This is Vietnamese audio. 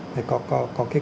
phải có cái cố gắng